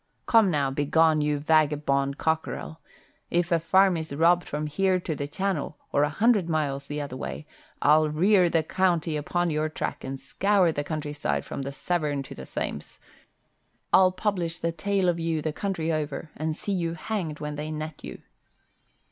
"Come now, begone, you vagabond cockerel! If a farm is robbed from here to the Channel, or a hundred miles the other way, I'll rear the county upon your track and scour the countryside from the Severn to the Thames. I'll publish the tale of you the country over and see you hanged when they net you."